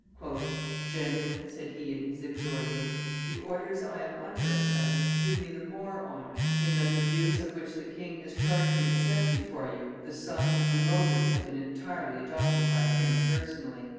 "Gentle men," said he in his exordium, "the orders I am under at present do me the more honor in that the views of which the king has charged me to set before you the sum and the motives have been entirely adopted by him personally."